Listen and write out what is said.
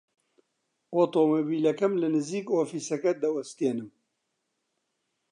ئۆتۆمۆمبیلەکەم لە نزیک ئۆفیسەکە دەوەستێنم.